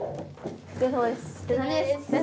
おつかれさまです。